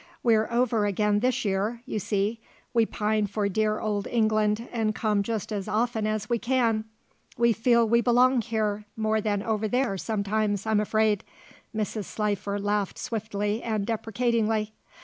We're over again this year, you see; we pine for dear old England and come just as often as we can. We feel we belong here more than over there sometimes, I'm afraid," Mrs. Slifer laughed swiftly and deprecatingly.